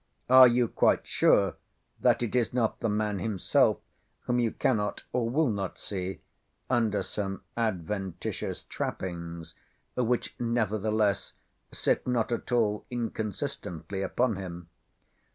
Are you quite sure that it is not the man himself, whom you cannot, or will not see, under some adventitious trappings, which, nevertheless, sit not at all inconsistently upon him?